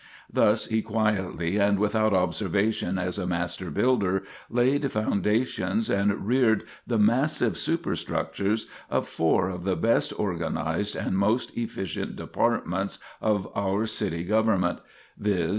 Thus he quietly and without observation, as a master builder, laid foundations and reared the massive superstructures of four of the best organized and most efficient departments of our city government viz.